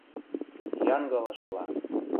Янгылышыла.